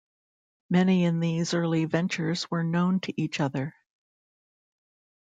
Many in these early ventures were known to each other.